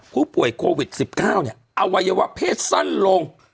ผู้ป่วยโควิด๑๙อวัยวะเพศสั้นลง